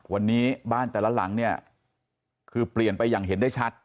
วันนี้บ้านแต่ละหลังเนี่ยคือเปลี่ยนไปอย่างเห็นได้ชัด